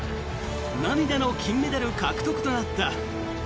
涙の金メダル獲得となった。